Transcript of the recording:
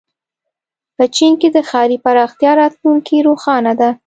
په چین کې د ښاري پراختیا راتلونکې روښانه ده.